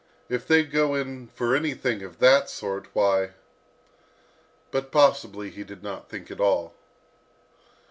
If they do go in for anything of that sort, why " But possibly he did not think at all.